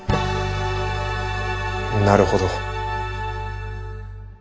なるほど。